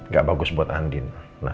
gak bagus buat andin